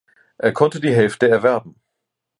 Er konnte die Hälfte erwerben.